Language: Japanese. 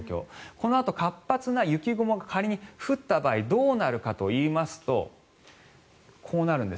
このあと活発な雪雲が仮に降った場合どうなるかといいますとこうなるんです。